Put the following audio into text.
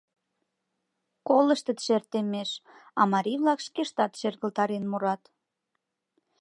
Колыштыт шер теммеш, а марий-влак шкештат шергылтарен мурат.